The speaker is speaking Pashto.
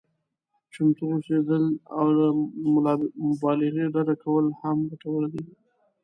چمتو اوسېدل او له مبالغې ډډه کول هم ګټور دي.